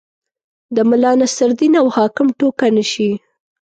د ملا نصرالدین او حاکم ټوکه نه شي.